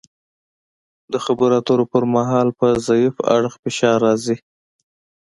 د خبرو اترو پر مهال په ضعیف اړخ فشار راځي